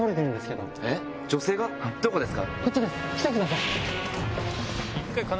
どこですか？